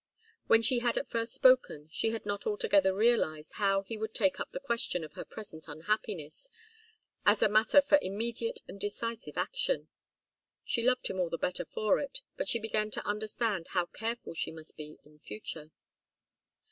When she had at first spoken, she had not altogether realized how he would take up the question of her present unhappiness as a matter for immediate and decisive action. She loved him all the better for it, but she began to understand how careful she must be in future.